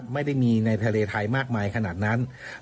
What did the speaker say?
ไม่ได้มีในทะเลไทยมากมายขนาดนั้น